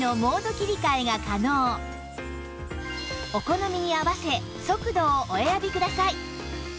お好みに合わせ速度をお選びください